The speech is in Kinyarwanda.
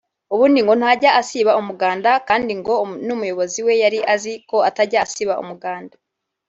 ubundi ngo ntajya asiba umuganda kandi ngo n’umuyobozi we yari azi ko atajya asiba umuganda